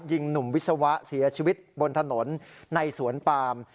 ยิงหนุ่มวิศวะเสียชีวิตบนถนนในสวนปาม